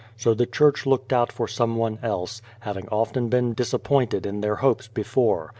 So the church looked out for some one else, having often been disappointed in their hopes before.